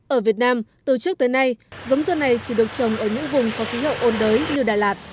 ở việt nam từ trước tới nay giống dưa này chỉ được trồng ở những vùng có khí hậu ôn đới như đà lạt